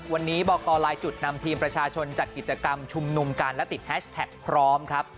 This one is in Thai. วันนี้บอกกรลายจุดนำทีมประชาชนจัดกิจกรรมชุมนุมกันและติดแฮชแท็กพร้อมครับ